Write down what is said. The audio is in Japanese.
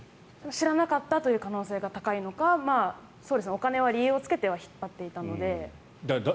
知らなかったという可能性が高いのかお金は理由をつけて引っ張ってはいたので。